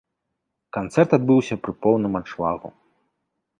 Канцэрт адбыўся пры поўным аншлагу.